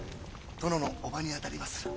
殿の叔母にあたりまする。